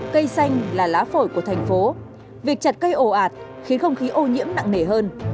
cây xanh là lá phổi của thành phố việc chặt cây ồ ạt khiến không khí ô nhiễm nặng nề hơn